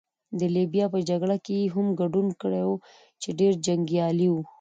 د لیبیا په جګړه کې يې هم ګډون کړی وو، چې ډېر جنګیالی وو.